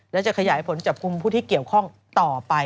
และจะขยายผลจับกลุ่มผู้ที่เกี่ยวข้องต่อไป